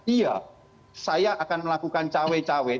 iya saya akan melakukan cawe cawe